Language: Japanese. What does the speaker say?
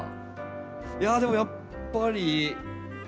いやでもやっぱりポット。